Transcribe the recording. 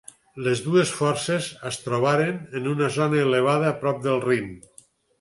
Les dues forces es trobaren en una zona elevada a prop del Rin.